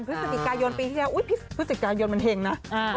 พฤศจิกายนปีที่แล้วพฤศจิกายนมันเห็งนะ